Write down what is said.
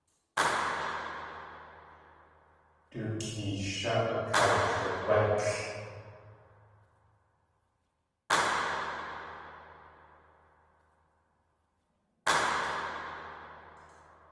Du keeyshá akawligwátl.